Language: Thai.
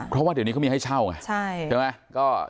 เพราะว่าเดี๋ยวนี้ก็มีให้เช่าไง